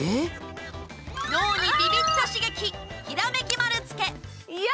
脳にビビッと刺激ひらめき丸つけ。